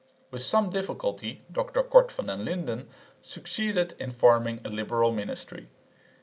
With some difficulty Dr Cort van den Linden succeeded in forming a liberal ministry.